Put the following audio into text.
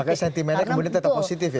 apakah sentimennya kemudian tetap positif ya